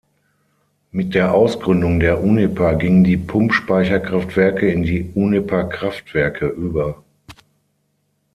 Mit der Ausgründung der Uniper gingen die Pumpspeicherkraftwerke in die Uniper Kraftwerke über.